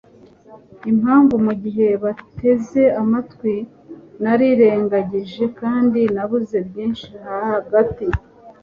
impamvu mugihe bateze amatwi narirengagije kandi nabuze byinshi hagati